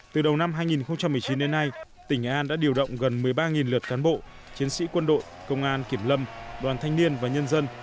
từ đầu năm hai nghìn một mươi chín đến nay tỉnh nghệ an đã điều động gần một mươi ba lượt cán bộ chiến sĩ quân đội công an kiểm lâm đoàn thanh niên và nhân dân